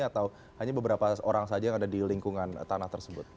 atau hanya beberapa orang saja yang ada di lingkungan tanah tersebut